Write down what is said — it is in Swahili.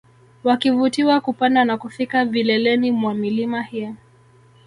Wakivutiwa kupanda na kufika vileleni mwa milima hii